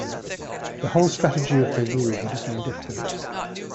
The whole strategy of the war would have been different.